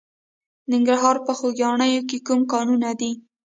د ننګرهار په خوږیاڼیو کې کوم کانونه دي؟